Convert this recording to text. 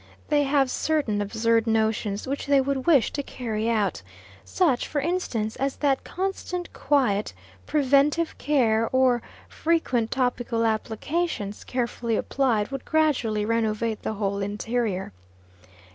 They have certain absurd notions which they would wish to carry out; such, for instance, as that constant quiet, preventive care, or frequent topical applications, carefully applied, would gradually renovate the whole interior.